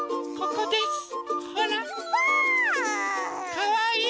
かわいい？